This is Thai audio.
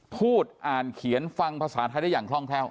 พูดอ่านเขียนฟังภาษาไทยได้อย่างคล่องแคล่ว